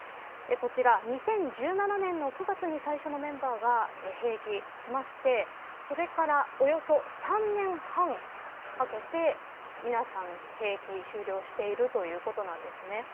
こちら２０１７年の９月に最初のメンバーが兵役しましてそれからおよそ３年半かけて皆さん兵役終了しているということなんです。